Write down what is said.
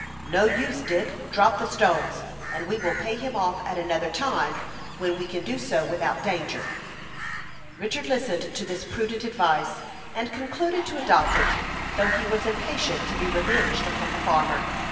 "No use, Dick; drop the stones, and we will pay him off at another time, when we can do so without danger." Richard listened to this prudent advice, and concluded to adopt it, though he was impatient to be revenged upon the farmer.